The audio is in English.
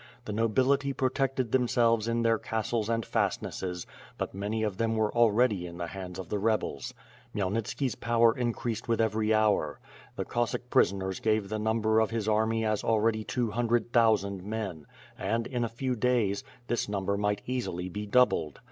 The nobility protected themselves, in their castles and fastnesses, but many of them were already in the hands of the rebels. Khmyelnitski's power increased with every hour. The Cos sack prisoners gave the number of his army as already two hundred thousand men and, in a few days, this number might easily be doubled.